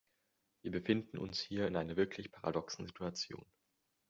Wir befinden uns hier in einer wirklich paradoxen Situation.